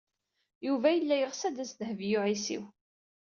Yuba yella yeɣs ad d-tas Dehbiya u Ɛisiw.